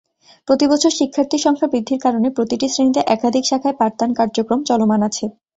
প্রতি বছর শিক্ষার্থীর সংখ্যা বৃদ্ধির কারণে প্রতিটি শ্রেণিতে একাধিক শাখায় পাঠদান কার্যক্রম চলমান আছে।